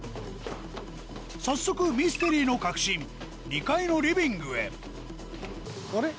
早速ミステリーの核心２階のリビングへあれ？